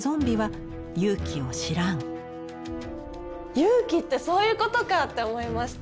「勇気」ってそういうことか！って思いました。